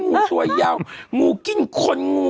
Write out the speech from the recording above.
งูสวยเยาว์กงูกินคน